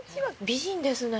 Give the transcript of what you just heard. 美人ですね。